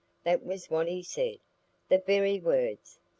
That was what he said,—the very words.